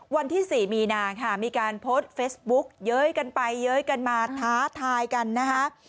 วันที่๔มีนาค่ะมีการโพสต์เฟซบุ๊กเย้ยกันไปเย้ยกันมาท้าทายกันนะคะ